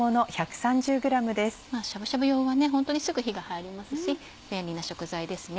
しゃぶしゃぶ用はホントにすぐ火が入りますし便利な食材ですね。